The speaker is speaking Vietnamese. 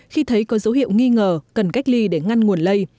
khi thấy có dấu hiệu nghi ngờ cần cách ly để ngăn nguồn lây